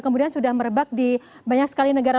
kemudian sudah merebak di banyak sekali negara